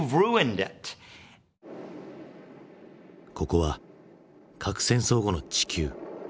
ここは核戦争後の地球。